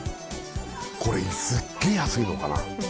これすっげえ安いのかな？